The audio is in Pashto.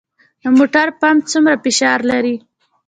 د موټر پمپ څومره فشار لري؟